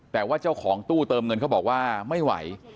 แต่ว่าเจ้าของตู้เติมเงินเขาบอกว่าไม่ไหว